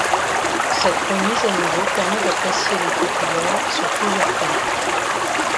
Cette remise à niveau permet d'apprécier les titulaires sur plusieurs points.